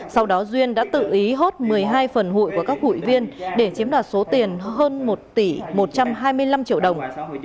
sau đó duyên đã tự ý hốt một mươi hai phần hụi của các hụi viên để chiếm đoạt số tiền hơn một tỷ một trăm hai mươi năm triệu đồng